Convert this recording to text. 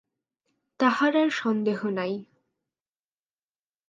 তাহার আর সন্দেহ নাই।